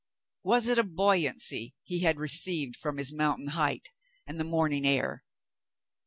Was it a buoyancy he had received from his mountain height and the morning air